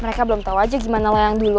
mereka belum tau aja gimana lo yang dulu